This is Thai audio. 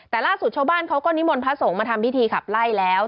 แต่ล่าสุดชาวบ้านเขาก็นิมนต์พระสงฆ์มาทำพิธีขับไล่แล้ว